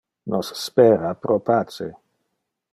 Nos spera pro pace.